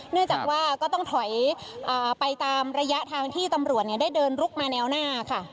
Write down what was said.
เนื่องจากว่าก็ต้องถอยไปตามระยะทางที่ตำรวจได้เดินลุกมาแนวหน้าค่ะ